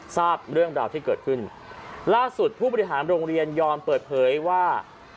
ทราบเรื่องราวที่เกิดขึ้นล่าสุดผู้บริหารโรงเรียนยอมเปิดเผยว่า